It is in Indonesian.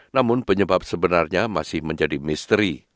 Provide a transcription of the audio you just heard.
namun penyebab sebenarnya masih menjadi misteri